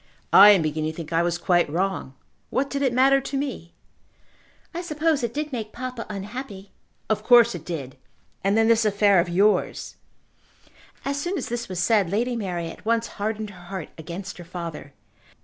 "I am beginning to think I was quite wrong. What did it matter to me?" "I suppose it did make papa unhappy." "Of course it did; and then this affair of yours." As soon as this was said Lady Mary at once hardened her heart against her father.